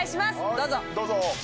どうぞ。